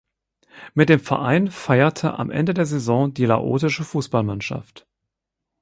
Mit dem Verein feierte am Ende der Saison die laotische Fußballmeisterschaft.